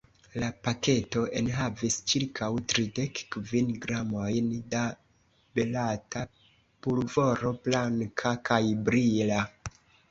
La paketo enhavis ĉirkaŭ tridek kvin gramojn da beleta pulvoro, blanka kaj brila.